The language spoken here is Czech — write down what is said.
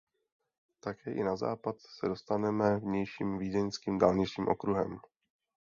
Také i na západ se dostaneme vnějším vídeňským dálničním okruhem.